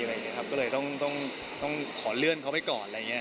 ก็เลยเขาต้องขอเลื่อนเข้าไปก่อน